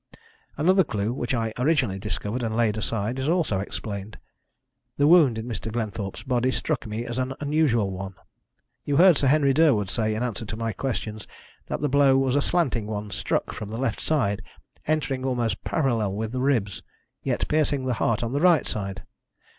"Another clue, which I originally discovered and laid aside, is also explained. The wound in Mr. Glenthorpe's body struck me as an unusual one. You heard Sir Henry Durwood say, in answer to my questions, that the blow was a slanting one, struck from the left side, entering almost parallel with the ribs, yet piercing the heart on the right side.